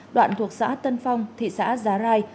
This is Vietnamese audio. đoạn thuộc xã tân phong thị xã giá rai